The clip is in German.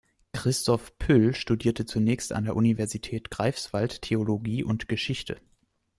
Christoph Pyl studierte zunächst an der Universität Greifswald Theologie und Geschichte.